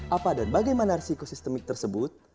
apa dan bagaimana risiko sistemik tersebut